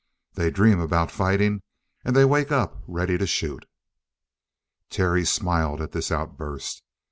They dream about fighting and they wake up ready to shoot." Terry smiled at this outburst.